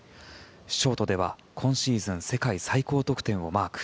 ショートでは今シーズン世界最高得点をマーク。